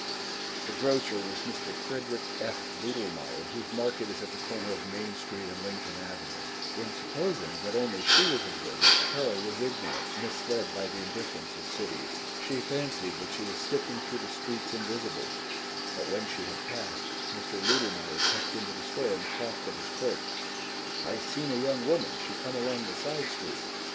(The grocer was Mr. Frederick F. Ludelmeyer, whose market is at the corner of Main Street and Lincoln Avenue. In supposing that only she was observant Carol was ignorant, misled by the indifference of cities. She fancied that she was slipping through the streets invisible; but when she had passed, Mr. Ludelmeyer puffed into the store and coughed at his clerk, "I seen a young woman, she come along the side street.